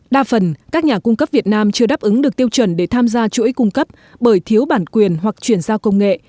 đa phần các nhà cung cấp việt nam chưa đáp ứng được tiêu chuẩn để tham gia chuỗi cung cấp bởi thiếu bản quyền hoặc chuyển giao công nghệ